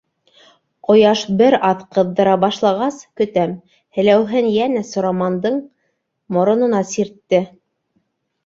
Ҡояш бер аҙ ҡыҙҙыра башлағас, көтәм. һеләүһен йәнә Сурамандың моронона сиртте.